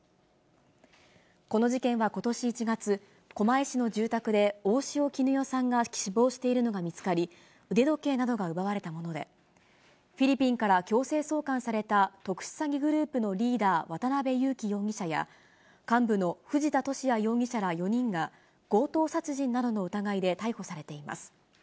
この事件はことし１月、狛江市の住宅で大塩衣与さんが死亡しているのが見つかり、腕時計などが奪われたもので、フィリピンから強制送還された特殊詐欺グループのリーダー、渡辺優樹容疑者や、幹部の藤田聖也容疑者ら４人が、強盗殺人などの疑いで、逮捕されています。